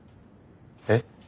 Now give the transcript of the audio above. えっ？